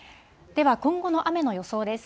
では、今後の雨の予想です。